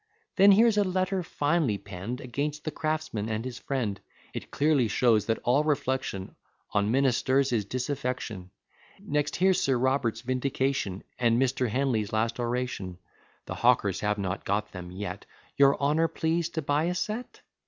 Then here's a letter finely penned Against the Craftsman and his friend: It clearly shows that all reflection On ministers is disaffection. Next, here's Sir Robert's vindication, And Mr. Henley's last oration. The hawkers have not got them yet: Your honour please to buy a set?